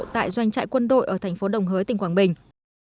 tại doanh trại quân đội ở thành phố đồng hới tỉnh quảng bình